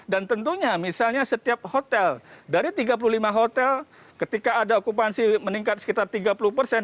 dan tentunya misalnya setiap hotel dari tiga puluh lima hotel ketika ada okupansi meningkat sekitar tiga puluh persen